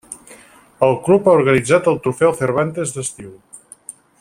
El club ha organitzat el Trofeu Cervantes d'estiu.